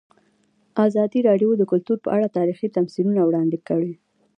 ازادي راډیو د کلتور په اړه تاریخي تمثیلونه وړاندې کړي.